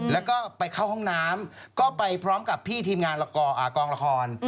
แล้วก็ไปเข้าห้องน้ำก็ไปพร้อมกับพี่ทีมงานกองละคร